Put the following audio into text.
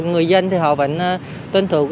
người dân thì họ vẫn tuân thủ